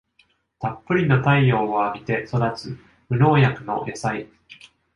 たっぷりの太陽を浴びて育つ無農薬の野菜